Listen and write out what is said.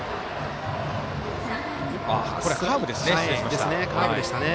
これカーブですね。